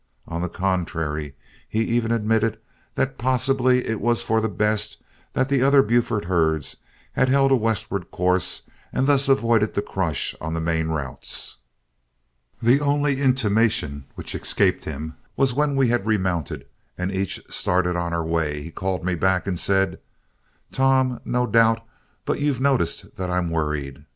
On the contrary, he even admitted that possibly it was for the best that the other Buford herds had held a westward course and thus avoided the crush on the main routes. The only intimation which escaped him was when we had remounted and each started our way, he called me back and said, "Tom, no doubt but you've noticed that I'm worried.